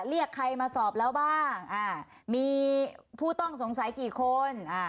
เรียกใครมาสอบแล้วบ้างมีผู้ต้องสงสัยกี่คน